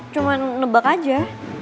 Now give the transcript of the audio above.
cuma nebak aja